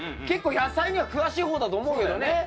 結構野菜には詳しい方だと思うけどね。